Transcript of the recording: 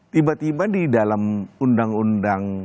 tiba tiba di dalam undang undang